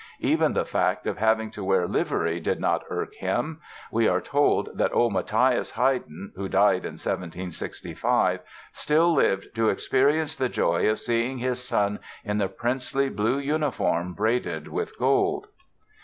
Even the fact of having to wear livery did not irk him. We are told that old Mathias Haydn (who died in 1765) still lived "to experience the joy of seeing his son in the princely blue uniform braided with gold."